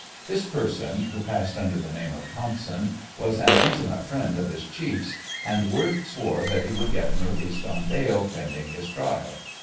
This person, who passed under the name of Thompson, was an intimate friend of his chiefs, and Worth swore that he would get him released on bail pending his trial.